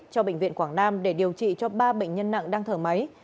cho bệnh viện quảng nam để điều trị cho ba bệnh nhân nặng đang thở máy